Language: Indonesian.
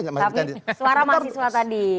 tapi suara mahasiswa tadi